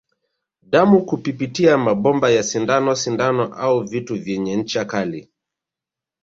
Damu kupipitia mabomba ya sindano sindano au vitu vyenye ncha kali